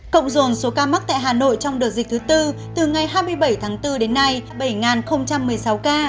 cộng dồn số ca mắc tại hà nội trong đợt dịch thứ tư từ ngày hai mươi bảy tháng bốn đến nay bảy một mươi sáu ca